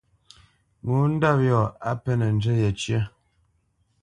Ŋo ndɔ́p yɔ̂ á pɛ́nǝ zhǝ yecǝ́.